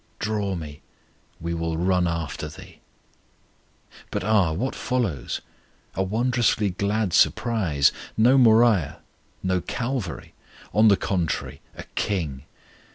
Draw me: we will run after Thee! But ah! what follows? A wondrously glad surprise. No Moriah, no Calvary; on the contrary, a KING!